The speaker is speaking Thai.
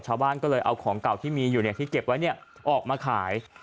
ชาวบ้านก็เลยเอาของเก่าที่มีอยู่ที่เก็บไว้ออกมาขาย